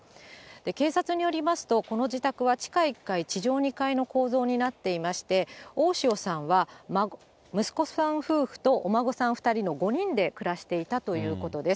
警察によりますと、この自宅は地下１階地上２階の構造になっていまして、大塩さんは息子さん夫婦とお孫さん２人の５人で暮らしていたということです。